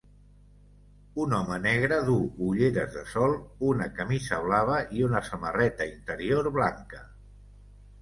Un home negre duu ulleres de sol, una camisa blava i una samarreta interior blanca.